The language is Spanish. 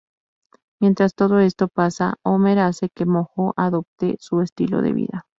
Mientras todo esto pasa, Homer hace que Mojo adopte su estilo de vida.